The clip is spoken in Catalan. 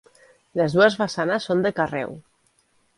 Les dues façanes són de carreu.